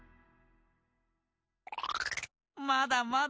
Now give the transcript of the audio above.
まだまだ。